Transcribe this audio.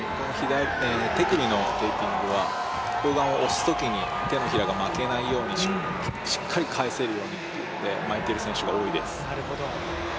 手首のテーピングは砲丸を押すときに手のひらがまけないようにしっかり返せるように巻いてる選手が多いです。